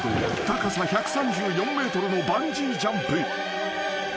［高さ１３４ｍのバンジージャンプ］